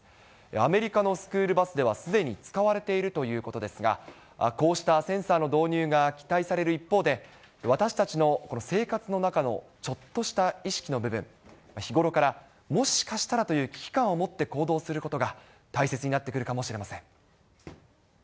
アメリカのスクールバスではすでに使われているということですが、こうしたセンサーの導入が期待される一方で、私たちの生活の中のちょっとした意識の部分、日頃からもしかしたらという危機感を持って行動することが大切になってくるかもしれません。